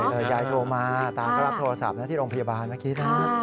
เลยยายโทรมาตาก็รับโทรศัพท์นะที่โรงพยาบาลเมื่อกี้นะ